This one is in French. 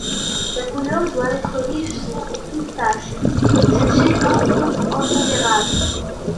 La couleur doit être riche, sans aucune tache, jugée comme faute intolérable.